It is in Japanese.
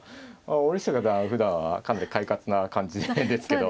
森下九段はふだんはかなり快活な感じですけど。